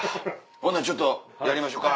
ほんならちょっとやりましょか。